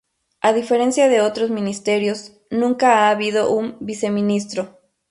A diferencia de otros ministerios, nunca ha habido un viceministro.